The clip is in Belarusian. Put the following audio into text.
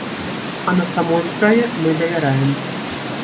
А на самой справе мы давяраем.